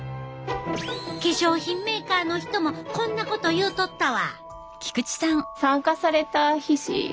化粧品メーカーの人もこんなこと言うとったわ。